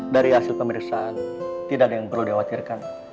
dari hasil pemeriksaan tidak ada yang perlu dikhawatirkan